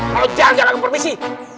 kalau jalan jalan ke permisi